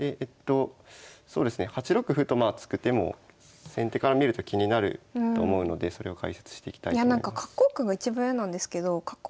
そうですね８六歩と突く手も先手から見ると気になると思うのでそれを解説していきたいと思います。